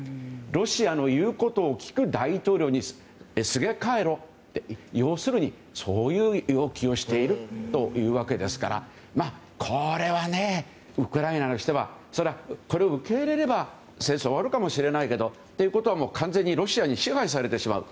ロシアの言うことを聞く大統領にすげ替えろと要するに、そういう要求をしているわけですからウクライナとしてはこれを受け入れれば戦争は終わるかもしれないけどということは完全にロシアに支配されてしまう。